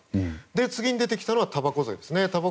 次に出てきたのがたばこ税です。